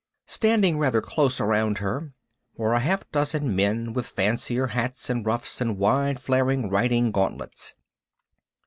Standing rather close around her were a half dozen men with fancier hats and ruffs and wide flaring riding gauntlets.